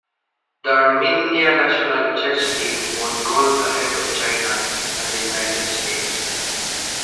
The Armenia national chess team won gold ahead of China and the United States.